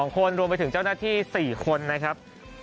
๒คนรวมไปถึงเจ้าหน้าที่๔คนนะครับ